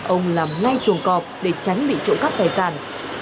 ông làm ngay chuồng cọp để tránh bị trộm cắp tài sản